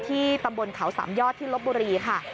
ที่ตำบลเขาสามยอดที่ลบบุรีค่ะ